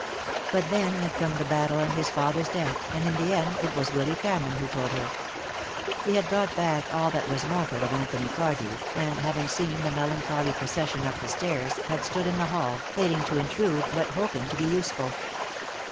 But then had come the battle and his father's death, and in the end it was Willy Cameron who told her. He had brought back all that was mortal of Anthony Cardew, and, having seen the melancholy procession up the stairs, had stood in the hall, hating to intrude but hoping to be useful.